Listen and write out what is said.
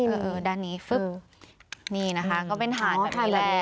อุ๊ยด้านนี้นี่นะคะก็เป็นถ่านแบบนี้แหละ